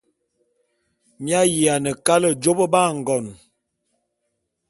Mi ayiane kale jôp ba ngon.